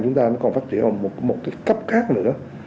chúng ta còn phát triển vào một cấp khác nữa